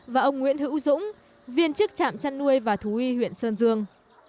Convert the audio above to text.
và ông nguyễn hữu dũng viên chức trạm chăn nuôi và thú y huyện sơn dương